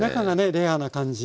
レアな感じ。